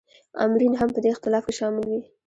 آمرین هم په دې اختلاف کې شامل وي.